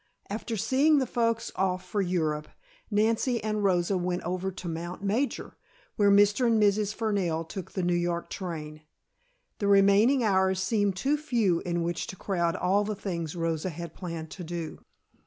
After seeing the folks off for Europe Nancy and Rosa went over to Mount Major, where Mr. and Mrs. Fernell took the New York train the remaining hours seemed too few in which to crowd all the things Rosa had planned to do.